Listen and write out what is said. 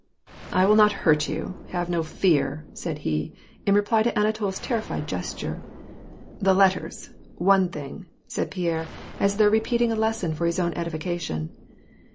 " I will not hurt you ; have no fear," said he, in reply to Anatol's terrified gesture. "The letters — one thing," said Pierre, as though repeating a lesson for his own edification.